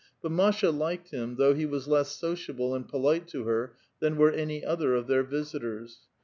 But Masha liked him, though he was less sociable and polite to her than were any other of their visitors.